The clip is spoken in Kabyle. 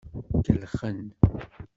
Kellxen.